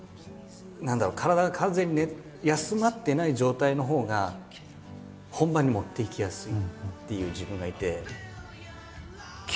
何だろう体が完全に休まってない状態のほうが本番に持っていきやすいっていう自分がいて。